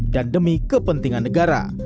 dan demi kepentingan negara